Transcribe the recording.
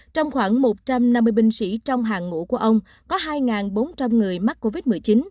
trong khoảng một trăm năm mươi binh sĩ trong hàng ngũ của ông có hai bốn trăm linh người mắc covid một mươi chín